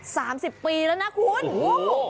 สามสิบปีแล้วนะคุณโอ้โห